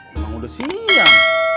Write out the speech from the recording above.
emang udah siang